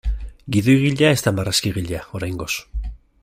Gidoigilea da ez marrazkigilea, oraingoz.